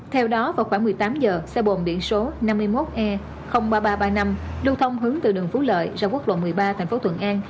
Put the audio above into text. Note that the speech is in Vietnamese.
theo đó vào khoảng một mươi tám giờ xe bồn biển số năm mươi một e ba nghìn ba trăm ba mươi năm lưu thông hướng từ đường phú lợi ra quốc lộ một mươi ba thành phố thuận an